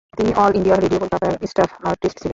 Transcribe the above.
তিনি All India Radio কোলকাতার staff artist ছিলেন।